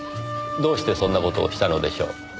どうしてそんな事をしたのでしょう？